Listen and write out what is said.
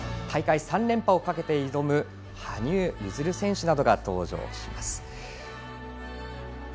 大会３連覇をかけて挑む羽生結弦選手などが登場します。